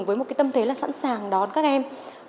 với một cái tâm thế là sẵn sàng đón các em